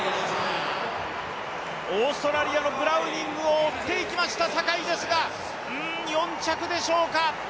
オーストラリアのブラウニングを追っていきました坂井ですが、４着でしょうか。